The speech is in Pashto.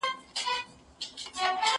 زه مېوې خوړلي دي